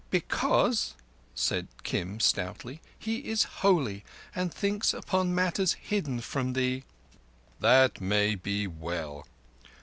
"Because," said Kim stoutly, "he is holy, and thinks upon matters hidden from thee." "That may be well.